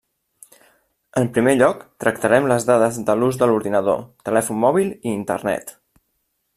En primer lloc, tractarem les dades de l’ús de l’ordinador, telèfon mòbil i Internet.